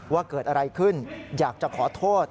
ว่าเกิดอะไรขึ้นอยากจะขอโทษ